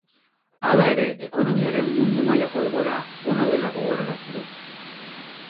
Hala ere, ekonomiaren mundu mailako egoera ona dela gogorarazi du.